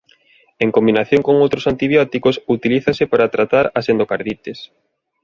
En combinación con outros antibióticos utilízase para tratar as endocardites.